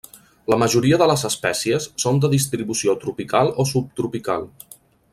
La majoria de les espècies són de distribució tropical o subtropical.